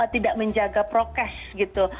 tidak menjaga prokes gitu